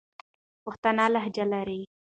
پښتانه لهجه لري.